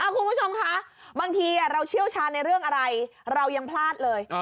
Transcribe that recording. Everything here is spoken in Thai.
คุณผู้ชมคะบางทีเราเชี่ยวชาญในเรื่องอะไรเรายังพลาดเลย